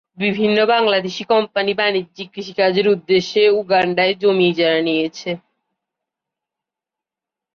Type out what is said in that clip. বিভিন্ন বাংলাদেশি কোম্পানি বাণিজ্যিক কৃষিকাজের উদ্দেশ্যে উগান্ডায় জমি ইজারা নিয়েছে।